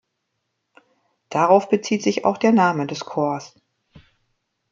Darauf bezieht sich auch der Name des Corps.